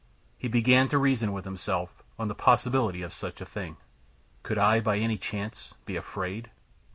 He began to reason with himself on the possibility of such a thing: "Could I by any chance be afraid?"